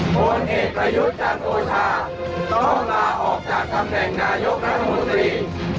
ผลเอกประยุทธ์จันโอชาต้องลาออกจากตำแหน่งนายกรัฐมนตรี